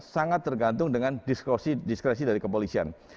sangat tergantung dengan diskresi dari kepolisian